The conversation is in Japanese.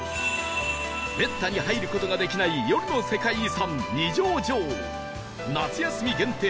めったに入る事ができない夜の世界遺産二条城夏休み限定